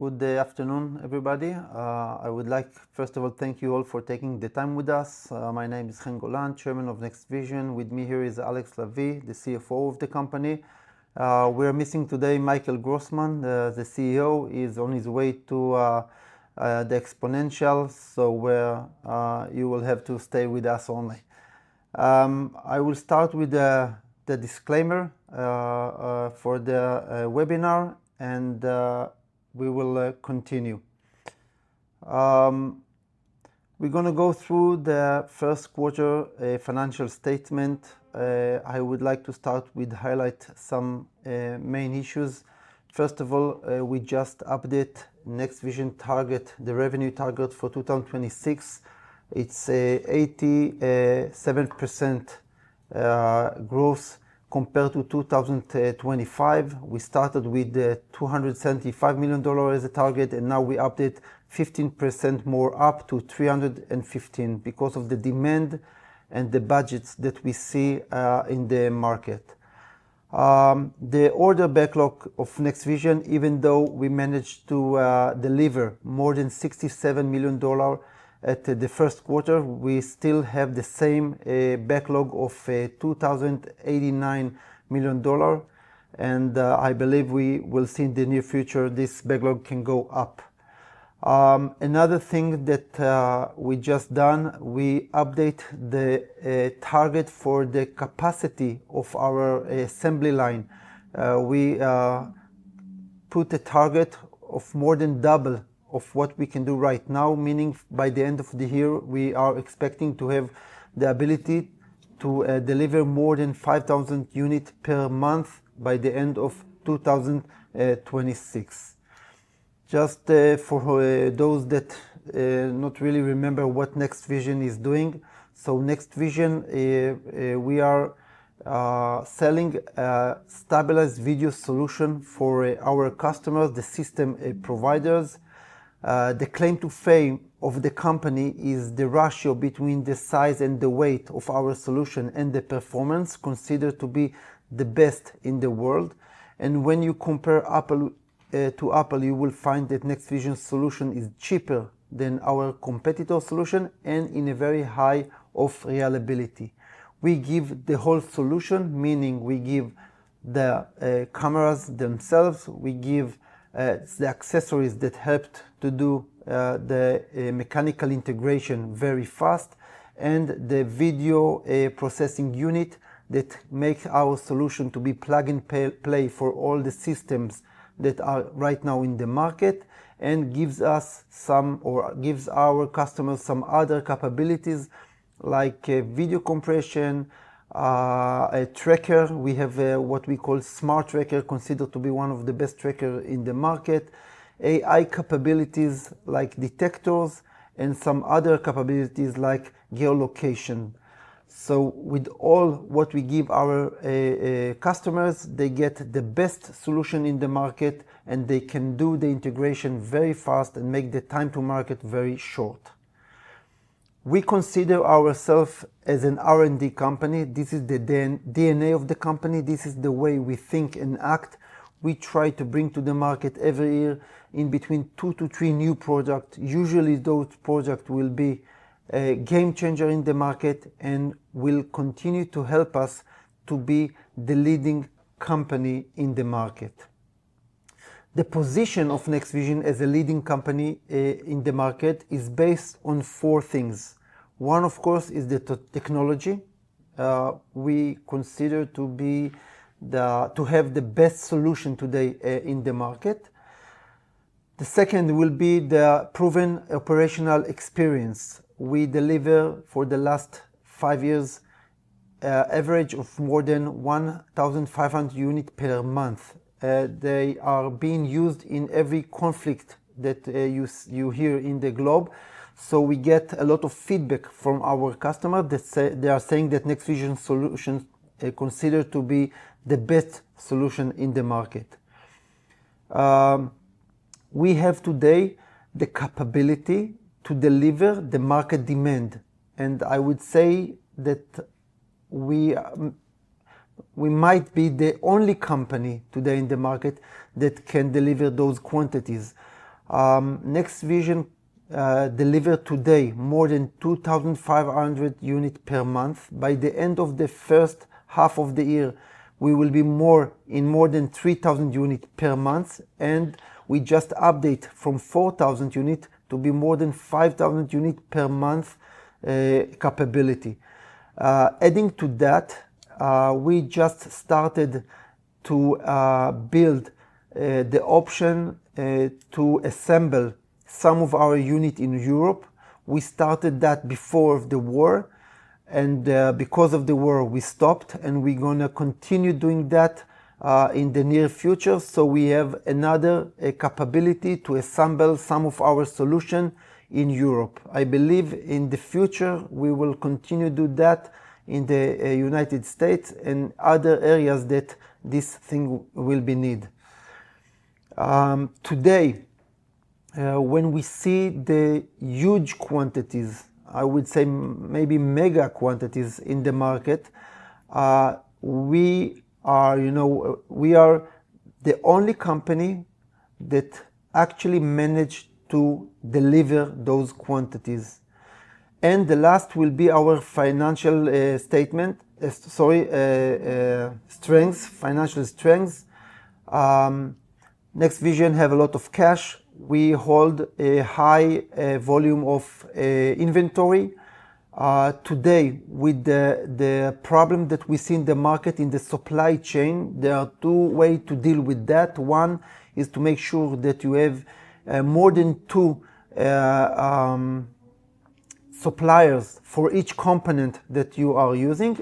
Good afternoon, everybody. I would like, first of all, thank you all for taking the time with us. My name is Chen Golan, Chairman of NextVision. With me here is Alex Lavie, the CFO of the company. We're missing today Michael Grossman, the CEO. He's on his way to XPONENTIAL. You will have to stay with us only. I will start with the disclaimer for the webinar. We will continue. We're going to go through the first quarter financial statement. I would like to start with highlight some main issues. First of all, we just update NextVision target, the revenue target for 2026. It's an 87% growth compared to 2025. We started with $275 million as a target, and now we update 15% more up to $315 million because of the demand and the budgets that we see in the market. The order backlog of NextVision, even though we managed to deliver more than $67 million at the first quarter, we still have the same backlog of $2,089 million. I believe we will see in the near future this backlog can go up. Another thing that we just done, we update the target for the capacity of our assembly line. We put a target of more than double of what we can do right now, meaning by the end of the year, we are expecting to have the ability to deliver more than 5,000 unit/month by the end of 2026. Just for those that not really remember what NextVision is doing, so NextVision we are selling a stabilized video solution for our customers, the system providers. The claim to fame of the company is the ratio between the size and the weight of our solution and the performance considered to be the best in the world. When you compare Apple to Apple, you will find that NextVision solution is cheaper than our competitor solution and in a very high of reliability. We give the whole solution, meaning we give the cameras themselves. We give the accessories that helped to do the mechanical integration very fast and the video processing unit that makes our solution to be plug-and-play for all the systems that are right now in the market and gives us some, or gives our customers some other capabilities like video compression, a tracker. We have a, what we call Smart Tracker, considered to be one of the best tracker in the market, AI capabilities like detectors and some other capabilities like geolocation. With all what we give our customers, they get the best solution in the market, and they can do the integration very fast and make the time to market very short. We consider ourself as an R&D company. This is the DNA of the company. This is the way we think and act. We try to bring to the market every year in between two to three new product. Usually, those product will be a game changer in the market and will continue to help us to be the leading company in the market. The position of NextVision as a leading company in the market is based on four things. One, of course, is the technology. We consider to have the best solution today in the market. The second will be the proven operational experience. We deliver for the last five years, average of more than 1,500 unit/month. They are being used in every conflict that you hear in the globe. We get a lot of feedback from our customer that say they are saying that NextVision solution considered to be the best solution in the market. We have today the capability to deliver the market demand, and I would say that we might be the only company today in the market that can deliver those quantities. NextVision deliver today more than 2,500 unit/month. By the end of the first half of the year, we will be in more than 3,000 unit/month, and we just update from 4,000 unit to be more than 5,000 unit/month capability. Adding to that, we just started to build the option to assemble some of our unit in Europe. We started that before the war, because of the war, we stopped, and we're gonna continue doing that in the near future, so we have another capability to assemble some of our solution in Europe. I believe in the future, we will continue to do that in the U.S. and other areas that this thing will be need. Today when we see the huge quantities, I would say maybe mega quantities in the market, we are, you know, we are the only company that actually manage to deliver those quantities. The last will be our financial strength. NextVision have a lot of cash. We hold a high volume of inventory. Today with the problem that we see in the market in the supply chain, there are two way to deal with that. One is to make sure that you have more than two suppliers for each component that you are using.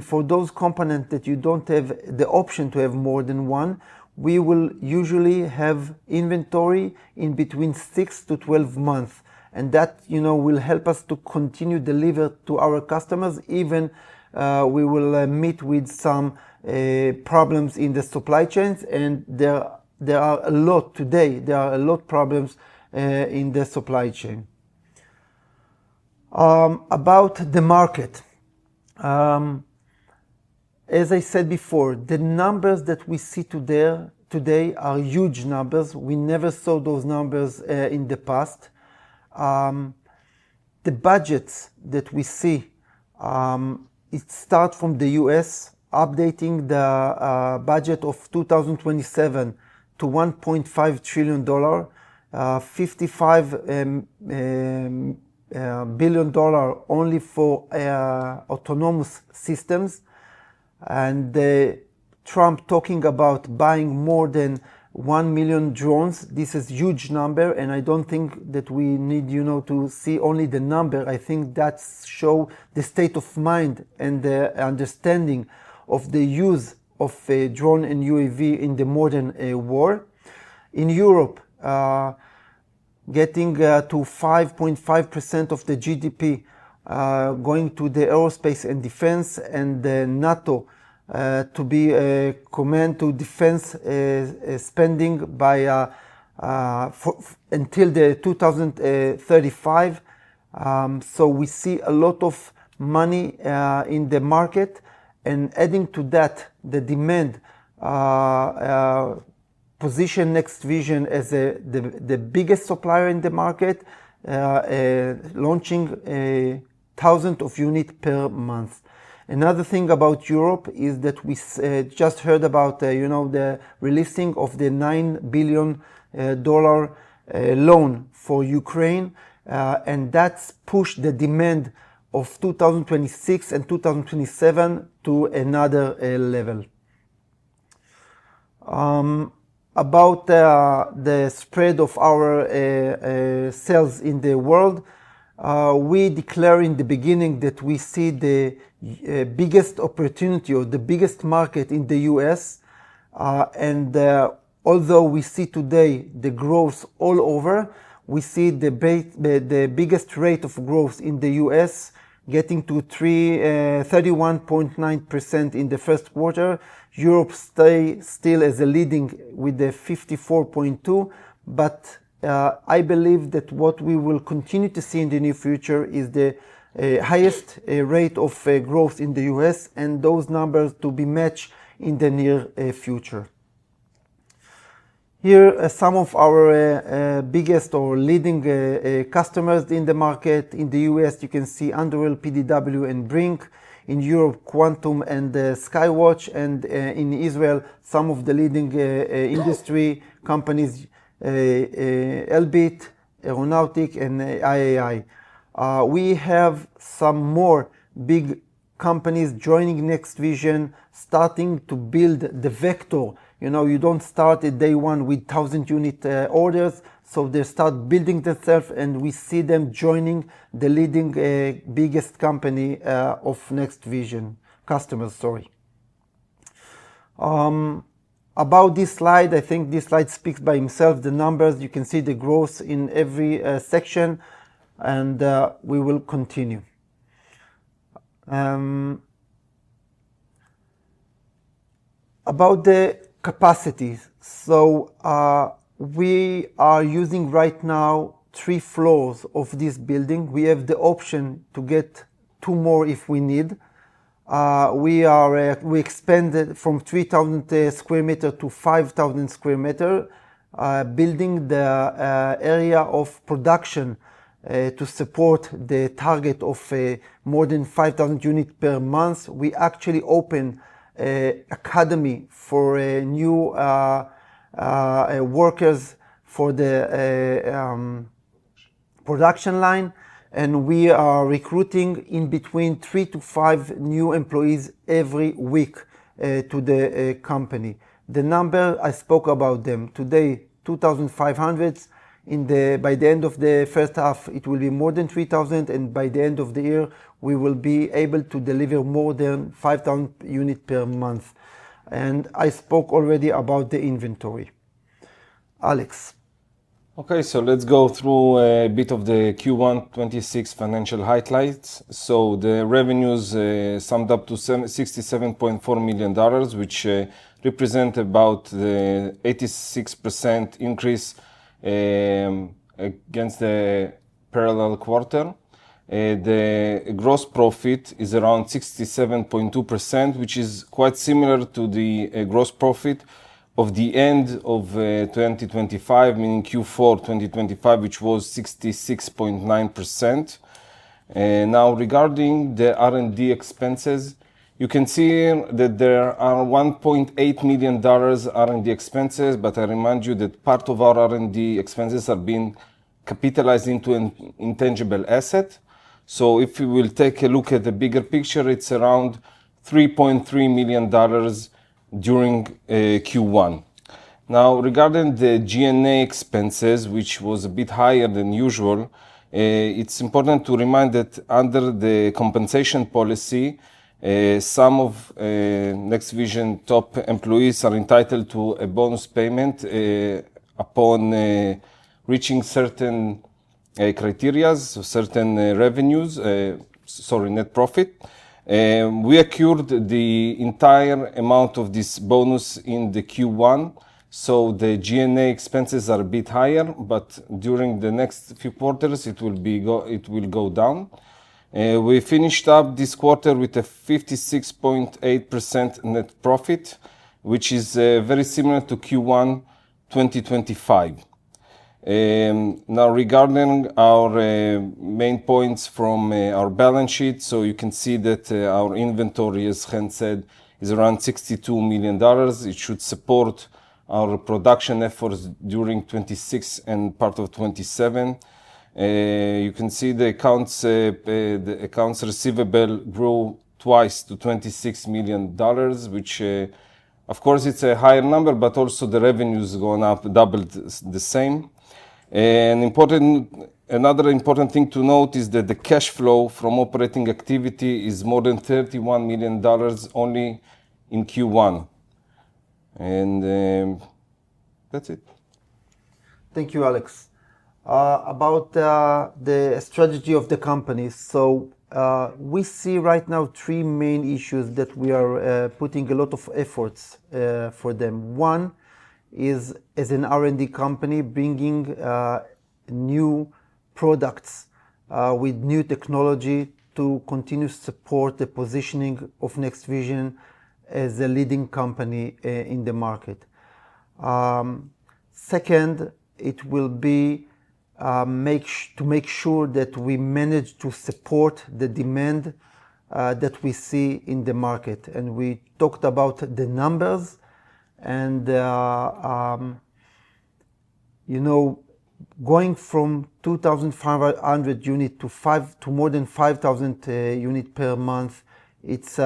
For those component that you don't have the option to have more than one, we will usually have inventory in between six to 12 month, and that, you know, will help us to continue deliver to our customers even we will meet with some problems in the supply chains. There are a lot today. There are a lot problems in the supply chain. About the market. As I said before, the numbers that we see today are huge numbers. We never saw those numbers in the past. The budgets that we see, it start from the U.S. updating the budget of 2027 to $1.5 trillion, $55 billion only for autonomous systems. Trump talking about buying more than 1 million drones, this is huge number, and I don't think that we need, you know, to see only the number. I think that show the state of mind and the understanding of the use of a drone and UAV in the modern war. In Europe, getting to 5.5% of the GDP going to the aerospace and defense and then NATO to be commit to defense spending until 2035. We see a lot of money in the market. Adding to that, the demand position NextVision as the biggest supplier in the market, launching 1,000 of unit/month. Another thing about Europe is that we just heard about, you know, the releasing of the $9 billion loan for Ukraine. That's pushed the demand of 2026 and 2027 to another level. About the spread of our sales in the world, we declare in the beginning that we see the biggest opportunity or the biggest market in the U.S. Although we see today the growth all over, we see the biggest rate of growth in the U.S. getting to 31.9% in the first quarter. Europe stay still as a leading with the 54.2%. I believe that what we will continue to see in the near future is the highest rate of growth in the U.S. and those numbers to be matched in the near future. Here are some of our biggest or leading customers in the market. In the U.S., you can see Anduril, PDW, and BRINC. In Europe, Quantum and Sky-Watch. In Israel, some of the leading industry companies, Elbit, Aeronautics, and IAI. We have some more big companies joining NextVision, starting to build the vector. You know, you don't start at day one with 1,000 unit orders, so they start building theirself, and we see them joining the leading biggest company of NextVision customer story. About this slide, I think this slide speaks by himself. The numbers, you can see the growth in every section, and we will continue. About the capacities. We are using right now three floors of this building. We have the option to get two more if we need. We expanded from 3,000 sq m to 5,000 sq m, building the area of production to support the target of more than 5,000 unit/month. We actually opened a academy for new workers for the production line, and we are recruiting in between three to five new employees every week to the company. The number, I spoke about them. Today, 2,500. By the end of the first half, it will be more than 3,000, by the end of the year, we will be able to deliver more than 5,000 unit/month. I spoke already about the inventory. Alex? Okay, let's go through a bit of the Q1 2026 financial highlights. The revenues summed up to $67.4 million, which represent about the 86% increase against the parallel quarter. The gross profit is around 67.2%, which is quite similar to the gross profit of the end of 2025, meaning Q4 2025, which was 66.9%. Now regarding the R&D expenses, you can see that there are $1.8 million R&D expenses, but I remind you that part of our R&D expenses have been capitalized into an intangible asset. If you will take a look at the bigger picture, it's around $3.3 million during Q1. Regarding the G&A expenses, which was a bit higher than usual, it's important to remind that under the compensation policy, some of NextVision top employees are entitled to a bonus payment, upon reaching certain criteria or certain revenues, sorry, net profit. We accrued the entire amount of this bonus in the Q1, so the G&A expenses are a bit higher, but during the next few quarters, it will go down. We finished up this quarter with a 56.8% net profit, which is very similar to Q1 2025. Regarding our main points from our balance sheet, you can see that our inventory, as Chen said, is around $62 million. It should support our production efforts during 2026 and part of 2027. You can see the accounts, the accounts receivable grew twice to $26 million, which, of course, it's a higher number, but also the revenue is going up double the same. Another important thing to note is that the cash flow from operating activity is more than $31 million only in Q1. That's it. Thank you, Alex. About the strategy of the company. We see right now three main issues that we are putting a lot of efforts for them. One is as an R&D company bringing new products with new technology to continue to support the positioning of NextVision as a leading company in the market. Second, it will be to make sure that we manage to support the demand that we see in the market. We talked about the numbers and, you know, going from 2,500 unit to more than 5,000 unit/month, it's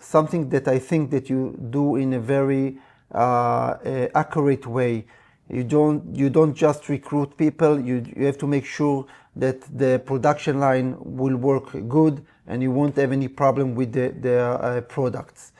something that I think that you do in a very accurate way. You don't just recruit people. You have to make sure that the production line will work good, and you won't have any problem with the products.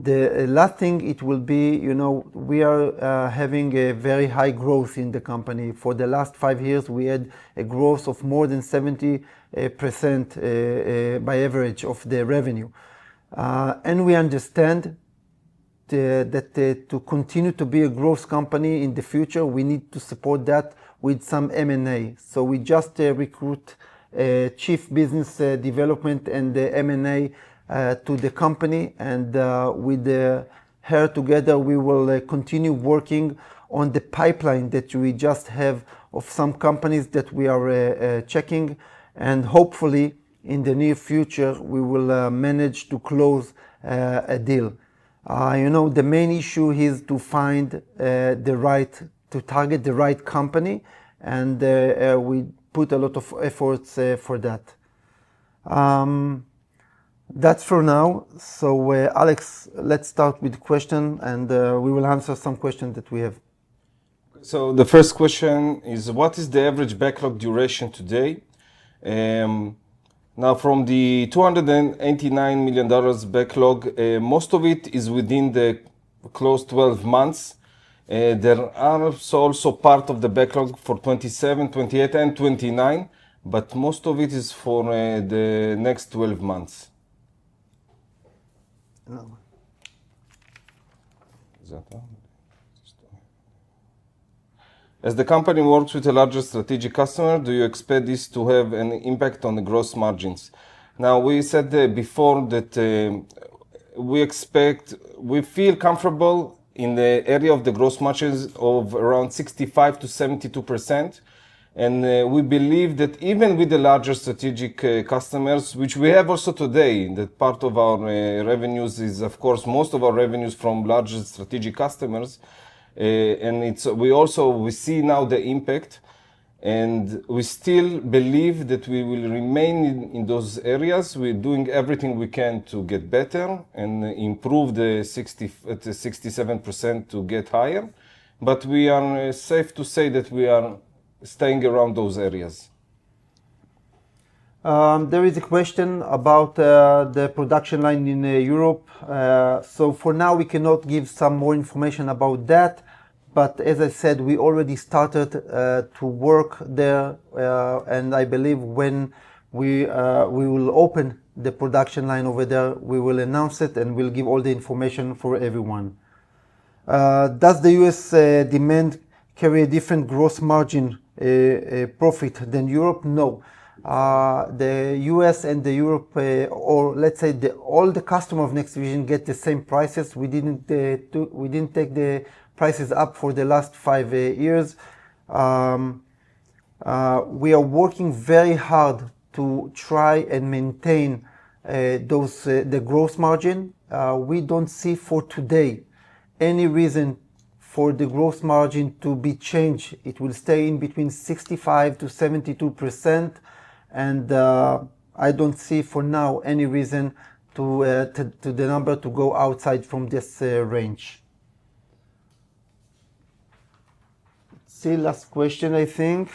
The last thing it will be, you know, we are having a very high growth in the company. For the last five years, we had a growth of more than 70% by average of the revenue. We understand that to continue to be a growth company in the future, we need to support that with some M&A. We just recruit a Chief Business Development and M&A to the company. With her together, we will continue working on the pipeline that we just have of some companies that we are checking. Hopefully, in the near future, we will manage to close a deal. You know, the main issue here is to find to target the right company, and we put a lot of efforts for that. That's for now. Alex, let's start with questions, and we will answer some questions that we have. The first question is, what is the average backlog duration today? From the $289 million backlog, most of it is within the close 12 months. There are also part of the backlog for 2027, 2028 and 2029, but most of it is for the next 12 months. Another one. Is that all? As the company works with a larger strategic customer, do you expect this to have an impact on the gross margins? We said before that we feel comfortable in the area of the gross margins of around 65%-72%. We believe that even with the larger strategic customers, which we have also today, that part of our revenues is, of course, most of our revenues from larger strategic customers. We see now the impact, we still believe that we will remain in those areas. We're doing everything we can to get better and improve the 67% to get higher. We are safe to say that we are staying around those areas. There is a question about the production line in Europe. For now, we cannot give some more information about that. As I said, we already started to work there. I believe when we will open the production line over there, we will announce it, and we'll give all the information for everyone. Does the U.S. demand carry a different gross margin profit than Europe? No. The U.S. and Europe, or let's say all the customer of NextVision get the same prices. We didn't take the prices up for the last five, eight years. We are working very hard to try and maintain those the gross margin. We don't see for today any reason for the gross margin to be changed. It will stay in between 65%-72%, and I don't see for now any reason to the number to go outside from this range. Let's see. Last question, I think.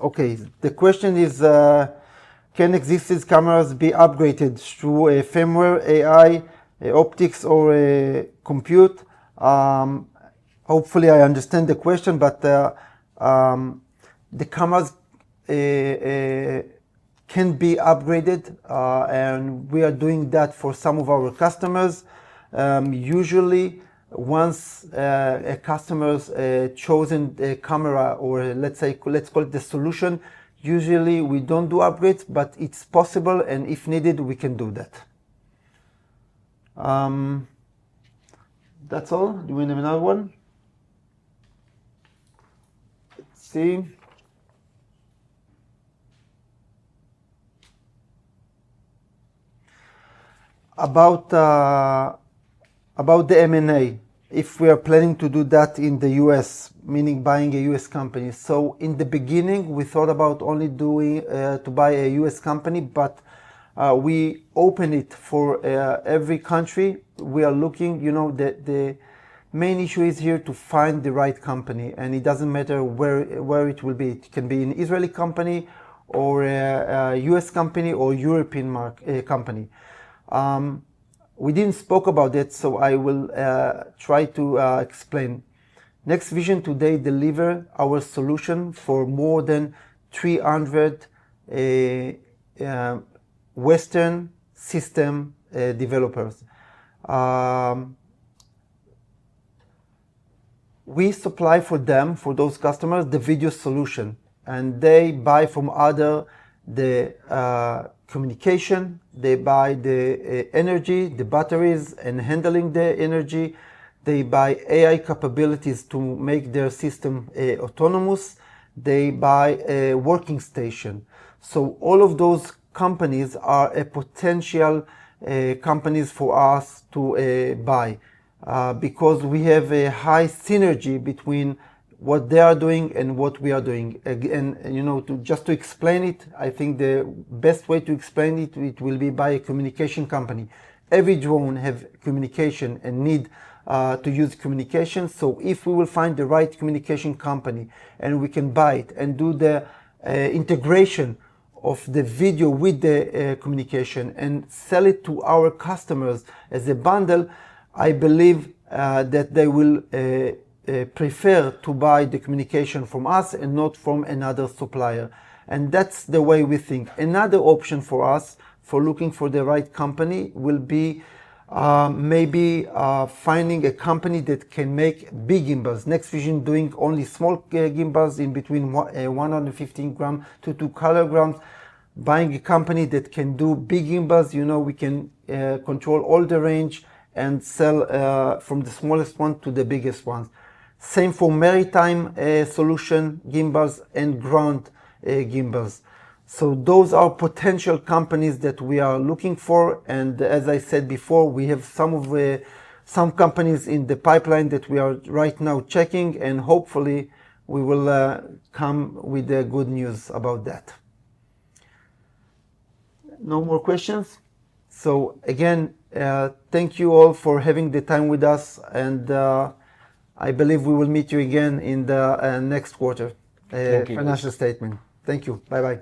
Okay. The question is, can existing cameras be upgraded through a firmware AI, a optics or a compute? Hopefully I understand the question, the cameras can be upgraded. We are doing that for some of our customers. Usually once a customer's chosen a camera, or let's call it the solution, usually we don't do upgrades, but it's possible, and if needed, we can do that. That's all. Do we have another one? Let's see. About the M&A, if we are planning to do that in the U.S., meaning buying a U.S. company. In the beginning we thought about only doing to buy a U.S. company, we open it for every country. We are looking, you know the main issue is here to find the right company, it doesn't matter where it will be. It can be an Israeli company or a U.S. company, or European mark company. We didn't spoke about it, I will try to explain. NextVision today deliver our solution for more than 300 Western system developers. We supply for them, for those customers the video solution, they buy from other, the communication. They buy the energy, the batteries and handling the energy. They buy AI capabilities to make their system autonomous. They buy a working station. All of those companies are a potential companies for us to buy because we have a high synergy between what they are doing and what we are doing. Again, you know, to just to explain it, I think the best way to explain it will be by a communication company. Every drone have communication and need to use communication. If we will find the right communication company, and we can buy it and do the integration of the video with the communication and sell it to our customers as a bundle, I believe that they will prefer to buy the communication from us and not from another supplier. That's the way we think. Another option for us, for looking for the right company will be maybe finding a company that can make big gimbals. NextVision doing only small gimbals in between 115 g-2 kg. Buying a company that can do big gimbals, you know, we can control all the range and sell from the smallest one to the biggest ones. Same for maritime solution gimbals and ground gimbals. Those are potential companies that we are looking for. And as I said before, we have some of some companies in the pipeline that we are right now checking, and hopefully we will come with the good news about that. No more questions? Again, thank you all for having the time with us and I believe we will meet you again in the next quarter- Thank you. -financial statement. Thank you. Bye-bye.